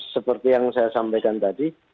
seperti yang saya sampaikan tadi